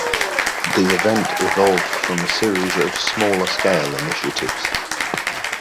The event evolved from a series of smaller-scale initiatives.